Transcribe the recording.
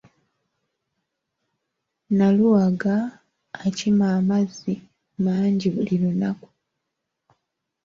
Naluwaga akima amazzi mangi buli lunaaku.